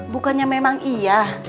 bukannya memang iya